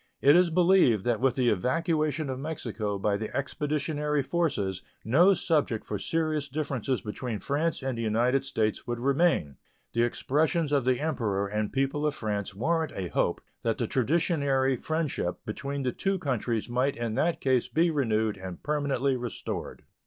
It is believed that with the evacuation of Mexico by the expeditionary forces no subject for serious differences between France and the United States would remain. The expressions of the Emperor and people of France warrant a hope that the traditionary friendship between the two countries might in that case be renewed and permanently restored.